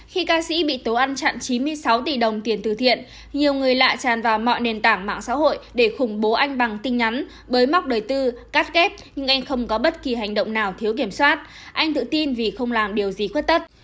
khi ca sĩ bị tố ăn chặn chín mươi sáu tỷ đồng tiền từ thiện nhiều người lạ tràn vào mọi nền tảng mạng xã hội để khủng bố anh bằng tin nhắn bới móc đời tư cắt kép nhưng anh không có bất kỳ hành động nào thiếu kiểm soát anh tự tin vì không làm điều gì khuất tất